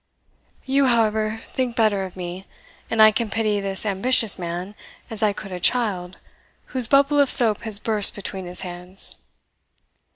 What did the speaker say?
You, however, think better of me; and I can pity this ambitious man, as I could a child, whose bubble of soap has burst between his hands.